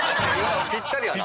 ぴったりやな。